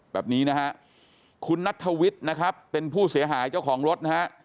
แบบนี้นะฮะคุณนัทธวิทย์นะครับเป็นผู้เสียหายเจ้าของรถนะฮะ